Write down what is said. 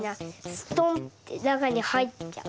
ストンッてなかにはいっちゃう。